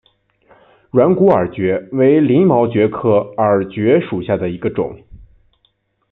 软骨耳蕨为鳞毛蕨科耳蕨属下的一个种。